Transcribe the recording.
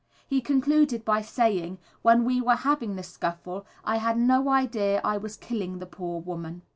He concluded by saying: "When we were having the scuffle I had no idea I was killing the poor woman."